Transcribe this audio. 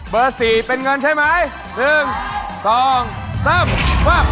เบอร์๔เป็นเงินใช่ไหม